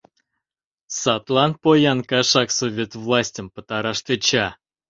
Садлан поян кашак Совет властьым пытараш тӧча.